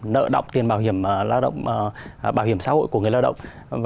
nợ động tiền bảo hiểm xã hội của người lao động